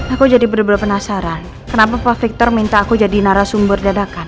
aku jadi benar benar penasaran kenapa pak victor minta aku jadi narasumber dadakan